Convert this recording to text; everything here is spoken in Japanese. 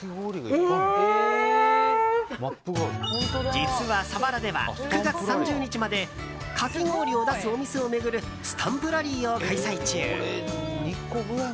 実は、佐原では９月３０日までかき氷を出すお店を巡るスタンプラリーを開催中。